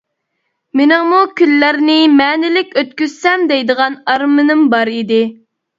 مېنىڭمۇ كۈنلەرنى مەنىلىك ئۆتكۈزسەم دەيدىغان ئارمىنىم بار ئىدى.